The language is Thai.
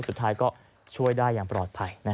สุดท้ายก็ช่วยได้อย่างปลอดภัย